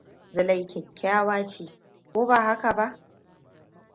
Zulai kyakkyawa ce, ko ba haka ba?